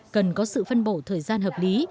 cần có sự phân bổ thời gian hợp lý